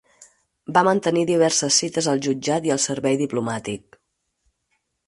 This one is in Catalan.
Va mantenir diverses cites al jutjat i al servei diplomàtic.